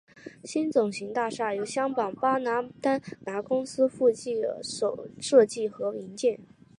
新总行大厦由香港巴马丹拿公司负责设计和营建。